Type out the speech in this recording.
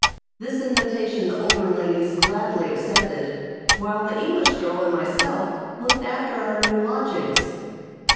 This invitation the older ladies gladly accepted, while the English girl and myself looked after our new lodgings.